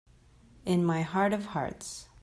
In my heart of hearts